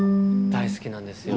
大好きなんですよ。